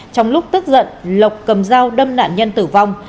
trong lúc tức giận lộc cầm dao đâm nạn nhân tử vong